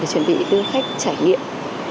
để chuẩn bị đưa khách trải nghiệm